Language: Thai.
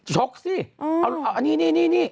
ช็อคสิเอานี่